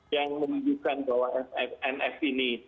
yang menunjukkan bahwa nf ini